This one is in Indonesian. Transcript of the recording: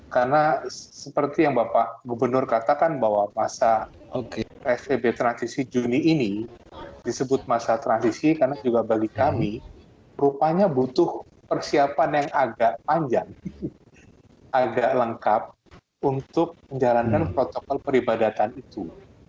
karena seperti yang bapak gubernur katakan bahwa masa psbb transisi juni ini disebut masa transisi karena juga bagi kami rupanya butuh persiapan yang agak panjang agak lengkap untuk menjalankan protokol peribadatan itu